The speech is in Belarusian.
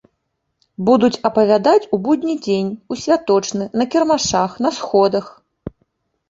Будуць апавядаць у будні дзень, у святочны, на кірмашах, на сходах.